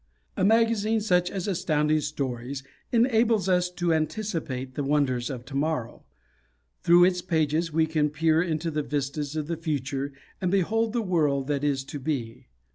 A magazine such as Astounding Stories enables us to anticipate the wonders of To morrow. Through its pages we can peer into the vistas of the future and behold the world that is to be.